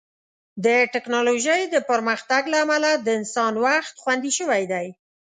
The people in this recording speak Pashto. د ټیکنالوژۍ د پرمختګ له امله د انسان وخت خوندي شوی دی.